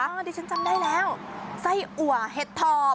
เดี๋ยวฉันจำได้แล้วไส้อัวเห็ดทอบ